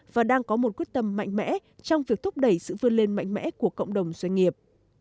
và đang có một quyết tâm mạnh mẽ trong việc thúc đẩy sự vươn lên mạnh mẽ của cộng đồng doanh nghiệp